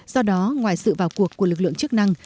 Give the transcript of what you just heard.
do đó ngoài sự vào cuộc của lực lượng chức năng